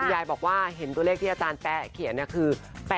ยายบอกว่าเห็นตัวเลขที่อาจารย์แป๊ะเขียนคือ